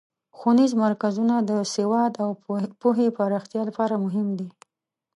ښوونیز مرکزونه د سواد او پوهې پراختیا لپاره مهم دي.